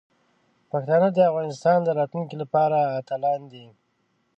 پښتانه د افغانستان د راتلونکي لپاره اتلان دي.